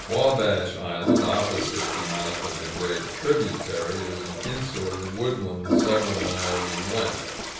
Wabash Island, opposite the mouth of the great tributary, is an insular woodland several miles in length.